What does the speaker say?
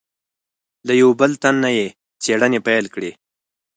له یوه بل تن نه یې څېړنې پیل کړې.